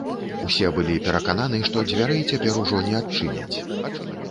Усе былі перакананы, што дзвярэй цяпер ужо не адчыняць.